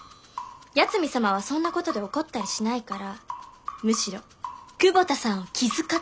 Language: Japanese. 八海サマはそんなことで怒ったりしないからむしろ久保田さんを気遣った。